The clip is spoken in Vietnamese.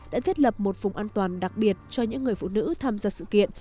đã thiết lập một vùng an toàn đặc biệt cho những người phụ nữ tham gia sự kiện